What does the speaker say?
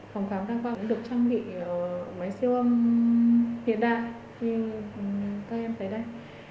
phòng khám đang qua cũng được trang bị máy siêu âm hiện đại như các em thấy đây